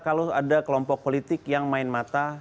kalau ada kelompok politik yang main mata